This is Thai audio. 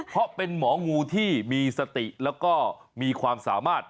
เพราะเป็นหมองูที่มีสติแล้วก็มีความสามารถ